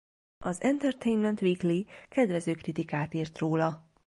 Az Entertainment Weekly kedvező kritikát írt róla.